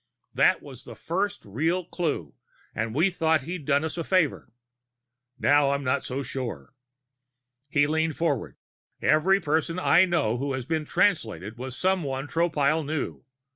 That was the first real clue and we thought he'd done us a favor. Now I'm not so sure." He leaned forward. "Every person I know of who was Translated was someone Tropile knew.